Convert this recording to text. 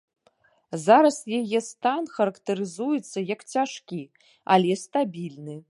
Зараз яе стан характарызуецца як цяжкі, але стабільны.